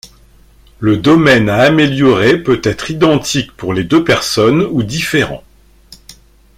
Le domaine à améliorer peut être identique pour les deux personnes ou différent.